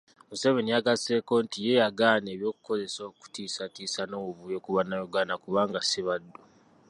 Museveni yagasseeko nti ye yagaana eby'okukozesa okutiisatiisa n'obuvuyo ku bannayuganda kubanga ssi baddu.